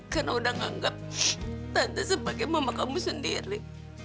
karena udah anggap tante sebagai mama kamu sendiri